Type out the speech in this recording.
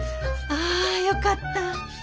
ああよかった。